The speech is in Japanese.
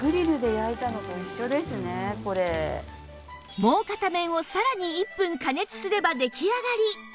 もう片面をさらに１分加熱すれば出来上がり！